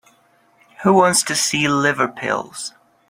Who wants to see liver pills?